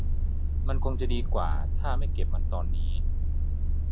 มันคงจะดีกว่าถ้าไม่เก็บมันตอนนี้